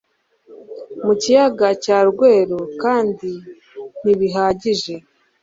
mu kiyaga cya Rweru kandi ntibihagije.